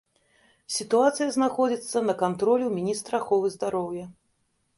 Сітуацыя знаходзіцца на кантролі ў міністра аховы здароўя.